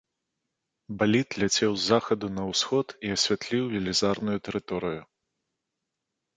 Балід ляцеў з захаду на ўсход і асвятліў велізарную тэрыторыю.